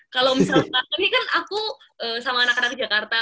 kalau misal aku sama anak anak jakarta